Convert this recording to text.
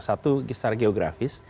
satu kisar geografis